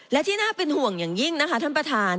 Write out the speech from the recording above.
และที่น่าเป็นห่วงอย่างยิ่งนะคะท่านประธาน